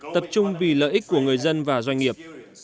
tập trung vì lợi ích của người dân và doanh nghiệp